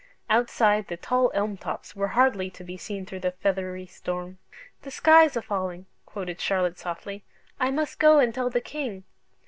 Outside, the tall elm tops were hardly to be seen through the feathery storm. "The sky's a falling," quoted Charlotte, softly; "I must go and tell the king."